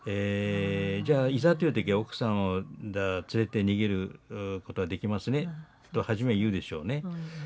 じゃいざという時は奥さんを連れて逃げることはできますね」と初め言うでしょうね。